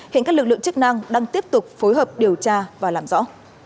hiện các lực lượng chức năng đang tiếp tục phối hợp điều tra và làm rõ